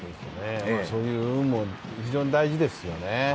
そういう運も非常に大事ですよね。